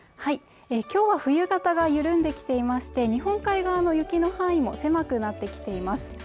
今日は冬型が緩んできていまして日本海側の雪の範囲も狭くなってきています